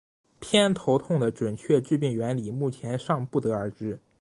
偏头痛的准确致病原理目前尚不得而知。